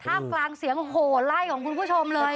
กลางเสียงโหไล่ของคุณผู้ชมเลย